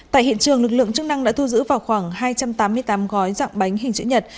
tại hiện trường lực lượng chức năng đã thu giữ vào khoảng hai trăm tám mươi tám gói dạng bánh hình chữ nhật